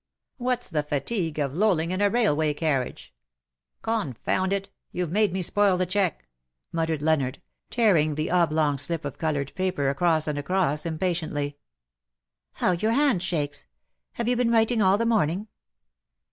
''" What's the fatigue of lolling in a railway car riage? Confound it, you've made me spoil the cheque !" muttered Leonard, tearing the oblong slip of coloured paper across and across, impatiently. " How your hand shakes ! Have you been writing all the morning